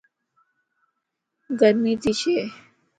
گرمي تي ڇَ